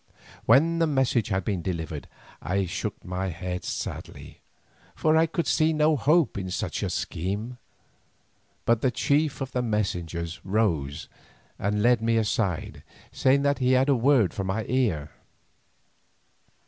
When the message had been delivered I shook my head sadly, for I could see no hope in such a scheme, but the chief of the messengers rose and led me aside, saying that he had a word for my ear.